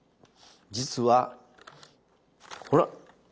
実はほら！